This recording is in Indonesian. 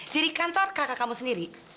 kantor kakak kamu sendiri